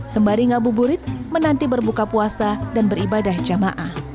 sembaring abu burit menanti berbuka puasa dan beribadah jamaah